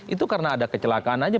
itu karena ada kecelakaan aja